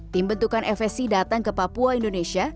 tim bentukan fsc datang ke papua indonesia